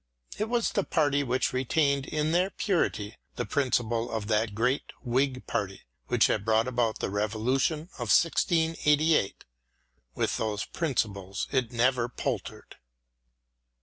It was the party which retained in their purity the principles of that great Whig party which had brought about the Revolution of 1688 : with those principles it never paltered.